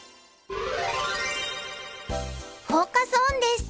フォーカス・オンです。